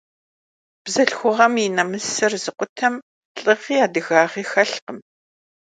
Бзылъхугъэм и нэмысыр зыкъутэм, лӀыгъи, адыгагъи хэлъкъым.